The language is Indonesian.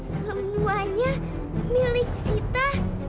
semuanya milik sita